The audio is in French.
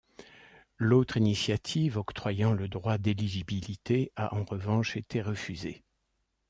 L'autre initiative octroyant le droit d'éligibilité a en revanche été refusée.